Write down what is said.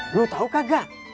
lo tau kagak